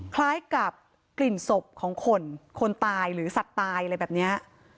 คล้ายกับกลิ่นศพของคนคนตายหรือสัตว์ตายอะไรแบบนี้